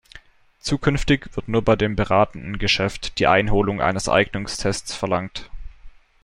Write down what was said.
Zukünftig wird nur bei dem beratenden Geschäft die Einholung eines Eignungstests verlangt.